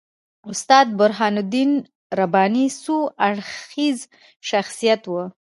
استاد برهان الدین رباني څو اړخیز شخصیت وو.